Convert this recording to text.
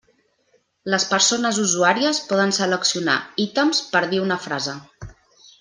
Les persones usuàries poden seleccionar ítems per dir una frase.